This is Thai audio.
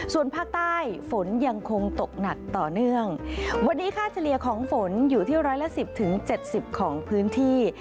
ส่วนภาคใต้ฝนยังคงตกหนักต่อเนื่องวันนี้ค่าเฉลี่ยของฝนอยู่ที่ร้อยละสิบถึงเจ็ดสิบของพื้นที่